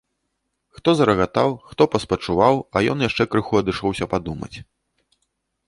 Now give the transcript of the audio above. Хто зарагатаў, хто паспачуваў, а ён яшчэ крыху адышоўся падумаць.